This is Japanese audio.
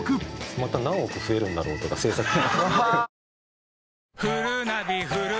また何億増えるんだろう？とか制作費。